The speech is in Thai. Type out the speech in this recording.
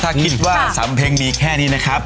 ถ้ากิ๊บว่าสำเพ็งมีแค่นี้